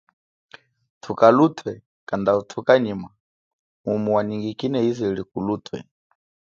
Tuka lutwe, kanda utuka nyima, mumu wanyingine yize ili kulutwe.